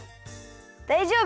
だいじょうぶ！